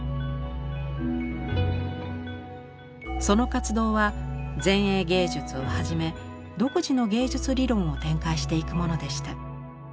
その活動は前衛芸術をはじめ独自の芸術理論を展開していくものでした。